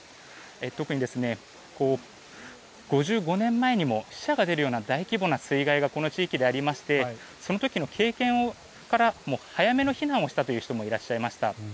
特に５５年前にも死者が出るような大規模な水害がこの地域でありましてその時の経験から早めの避難をしたという人もいらっしゃいました。